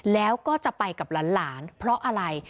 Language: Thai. แล้วก็จะไปกับหลานเพราะอะไร